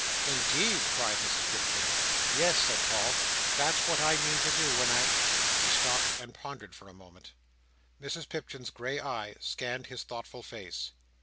"Indeed!" cried Mrs Pipchin. "Yes," said Paul. "That's what I mean to do, when I—" He stopped, and pondered for a moment. Mrs Pipchin's grey eye scanned his thoughtful face.